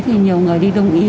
thì nhiều người đi đông y